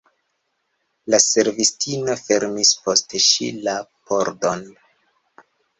La servistino fermis post ŝi la pordon.